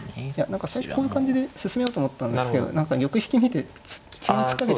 何か最初こういう感じで進めようと思ったんですけど何か玉引き見て急に突っかけちゃったんで。